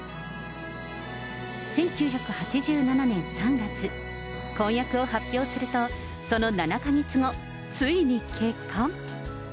１９８７年３月、婚約を発表すると、その７か月後、ついに結婚。